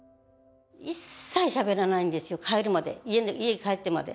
一切しゃべらないんですよ、家に帰ってまで。